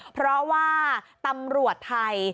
เพราะว่าตำรวจไทย